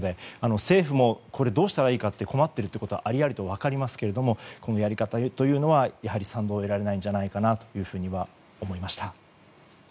政府もこれ、どうしたらいいか困っているということはありありと分かりますけれどもやり方というのには賛同を得られないんじゃないかなと思いました。